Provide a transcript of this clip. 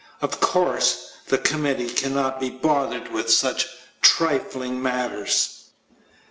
Of course, the committee cannot be bothered with such trifling matters.